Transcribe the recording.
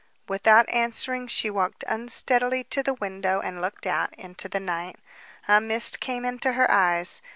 Without answering, she walked unsteadily to the window and looked out into the night. A mist came into her eyes.